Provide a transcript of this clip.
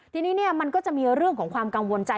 ทีนี้มันก็จะมีเรื่องของความกังวลใจ